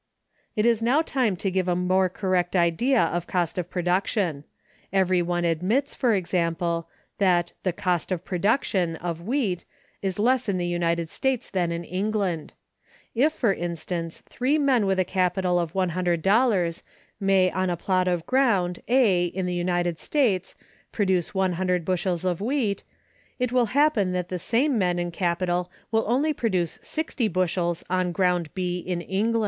It is now time to give a more correct idea of cost of production. Every one admits, for example, that the "cost of production" of wheat is less in the United States than in England. If, for instance, three men with a capital of one hundred dollars may on a plot of ground, A, in the United States produce one hundred bushels of wheat, it will happen that the same men and capital will only produce sixty bushels on ground, B, in England.